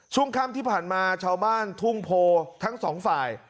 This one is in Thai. ช่วงค่ำที่ผ่านมาชาวบ้านทุ่งโพทั้งสองฝ่าย